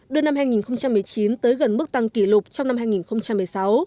đưa năm hai nghìn một mươi chín tới gần mức tăng kỷ lục trong năm hai nghìn một mươi sáu